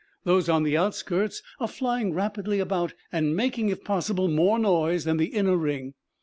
Those on the outskirts are flying rapidly about and making, if possible, more noise than the inner ring.